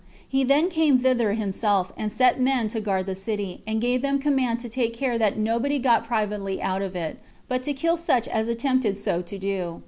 He then came thither himself, and set men to guard the city, and gave them command to take care that nobody got privately out of it, but to kill such as attempted so to do.